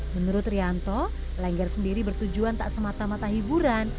menurut rianto lengger sendiri bertujuan tak semata mata hiburan